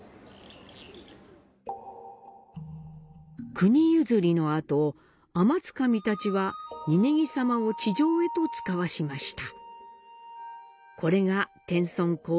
国譲りのあと、天津神たちはニニギさまを地上へと遣わしました。